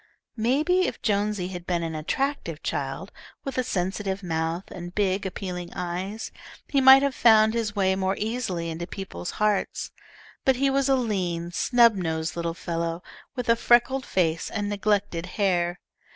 Maybe if Jonesy had been an attractive child, with a sensitive mouth, and big, appealing eyes, he might have found his way more easily into people's hearts. But he was a lean, snub nosed little fellow, with a freckled face and neglected hair.